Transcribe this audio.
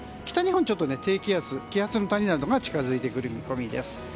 北日本、ちょっと低気圧気圧の谷などが近づいてくる見込みです。